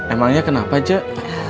emangnya kenapa cik